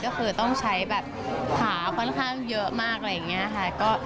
ก็คือต้องใช้แบบขาค่อนข้างเยอะมากอะไรอย่างนี้ค่ะ